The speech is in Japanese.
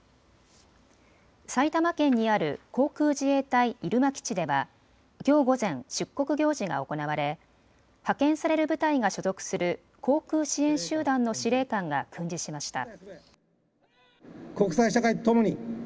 埼玉県にある航空自衛隊入間基地ではきょう午前、出国行事が行われ派遣される部隊が所属する航空支援集団の司令官が訓示しました。